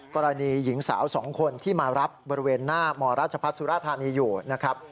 กรณีหญิงสาว๒คนที่มารับบริเวณหน้ามรัชพัฒน์สุราธานีอยู่นะครับ